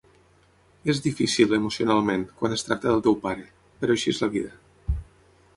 És difícil, emocionalment, quan es tracta del teu pare... però així és la vida.